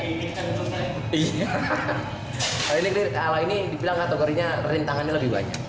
kalau ini ala ini dibilang kategorinya rintangannya lebih banyak